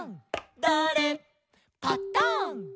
「だれ？パタン」